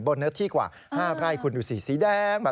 เนื้อที่กว่า๕ไร่คุณดูสิสีแดง